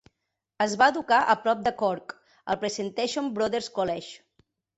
Es va educar a prop de Cork, al Presentation Brothers College.